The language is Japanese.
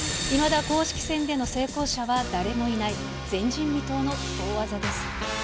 いまだ公式戦での成功者は誰もいない、前人未到の大技です。